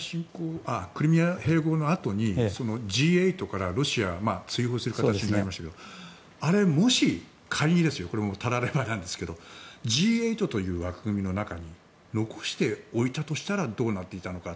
クリミア併合のあとにＧ８からロシアを追放する形になりましたけどあれ、もし仮にたらればなんですけどＧ８という枠組みの中に残しておいたとしたらどうなっていたのか。